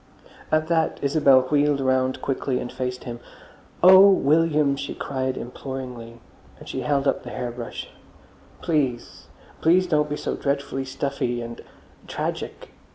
At that Isabel wheeled round quickly and faced him. "Oh, William!" she cried imploringly, and she held up the hair brush: "Please! Please don't be so dreadfully stuffy and—tragic.